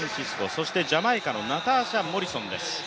そしてジャマイカのナターシャ・モリソンです。